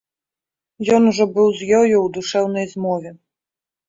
Ён ужо быў з ёю ў душэўнай змове.